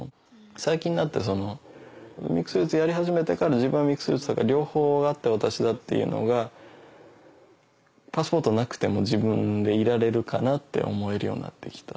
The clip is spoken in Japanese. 最近になってミックスルーツやり始めてから自分はミックスルーツだから両方あって私だっていうのがパスポートなくても自分でいられるかなって思えるようになってきた。